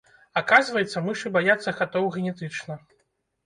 Аказваецца, мышы баяцца катоў генетычна.